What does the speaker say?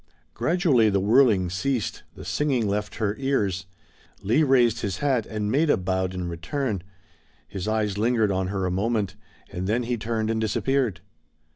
Gradually the whirling ceased, the singing left her ears. Leigh raised his hat and Maida bowed in return. His eyes lingered on her a moment, and then he turned and disappeared.